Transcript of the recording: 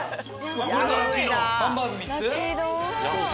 ハンバーグ３つ？